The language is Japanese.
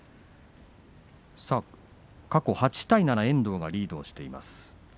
過去８対７と遠藤がリードしています。